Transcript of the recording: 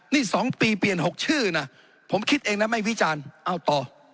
นี่สองปีเปลี่ยนหกชื่อนะผมคิดเองนะแม่งพี่จานเอ้าต่อ